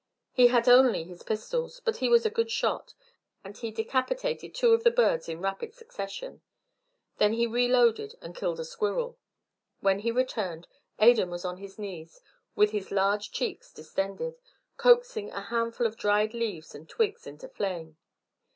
He had only his pistols, but he was a good shot, and he decapitated two of the birds in rapid succession. Then he reloaded and killed a squirrel. When he returned, Adan was on his knees, with his large cheeks distended, coaxing a handful of dried leaves and twigs into flame.